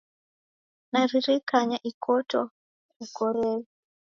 Naririkanya ikoto ukoreghe